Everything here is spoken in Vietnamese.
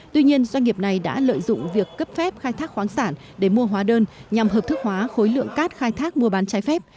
tuy nhiên doanh nghiệp này đã lợi dụng việc cấp phép khai thác khoáng sản để mua hóa đơn nhằm hợp thức hóa khối lượng cát khai thác mua bán trái phép